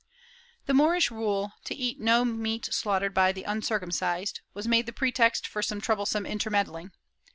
* The Moorish rule, to eat no meat slaughtered by the uncircum cised, was made the pretext for some troublesome intermeddling.